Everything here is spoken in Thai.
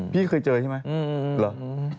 พี่เคยเจอใช่ไหมเหรอ